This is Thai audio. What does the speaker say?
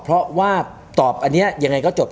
เพราะว่าตอบอันนี้ยังไงก็จบ